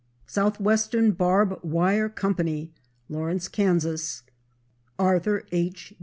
Southwestern Barb Wire Co., Lawrence, Kan. Arthur H.